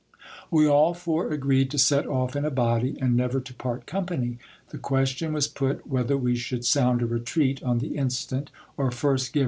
We all four agreed to set off in a body, and never to part company. The question was put whether we should sound a retreat on the instant, or first give THE HERMIT TAKES TO FLIGHT.